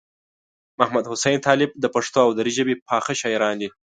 محمدحسین طالب د پښتو او دري ژبې پاخه شاعران دي.